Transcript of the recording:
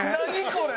これ！